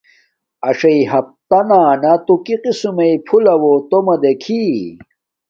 اݽاݵے ہفہ نا تو کی قسم میݵ پھولہ وہ تومہ دکھی۔